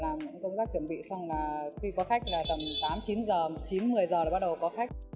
làm những công tác chuẩn bị xong là khi có khách là tầm tám chín giờ chín một mươi giờ là bắt đầu có khách